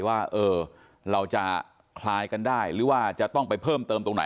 ว่าเราจะคลายกันได้หรือว่าจะต้องไปเพิ่มเติมตรงไหน